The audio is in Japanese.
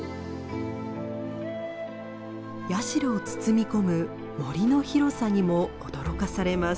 社を包み込む森の広さにも驚かされます。